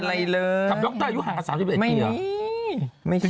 ฉันไม่ได้มีอะไรเลยไม่มี